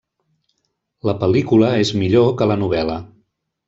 La pel·lícula és millor que la novel·la.